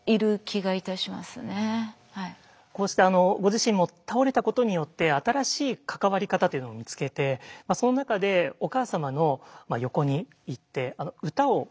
こうしてご自身も倒れたことによって新しい関わり方というのを見つけてその中でお母様の横に行って歌を歌ったりすることもあったそうですね。